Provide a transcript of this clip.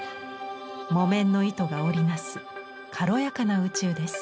木綿の糸が織り成す軽やかな宇宙です。